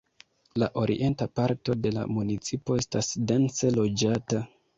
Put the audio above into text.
La orienta parto de la municipo estas dense loĝata.